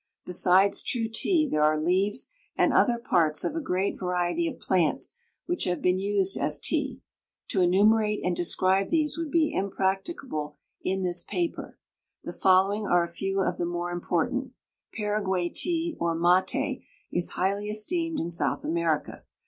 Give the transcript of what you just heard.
Besides true tea there are leaves and other parts of a great variety of plants which have been used as tea. To enumerate and describe these would be impracticable in this paper. The following are a few of the more important: Paraguay tea, or maté, is highly esteemed in South America.